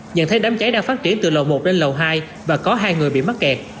nhận thấy đám cháy đang phát triển từ lầu một lên lầu hai và có hai người bị mắc kẹt